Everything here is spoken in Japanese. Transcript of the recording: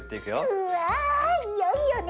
うわいよいよね！